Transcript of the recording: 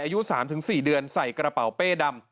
อายุ๓๔เดือนใส่กระเป๋าเป้ดำ